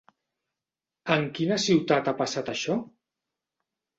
En quina ciutat ha passat això?